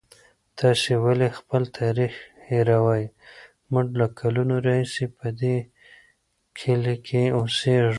تاسې ولې خپل تاریخ هېروئ؟ موږ له کلونو راهیسې په دې کلي کې اوسېږو.